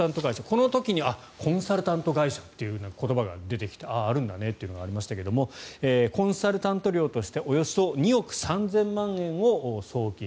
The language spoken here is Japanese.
この時にコンサルタント会社という言葉が出てきてああ、あるんだねというのがありましたがコンサルタント料としておよそ２億３０００万円を送金。